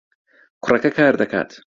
کوڕەکە کار دەکات.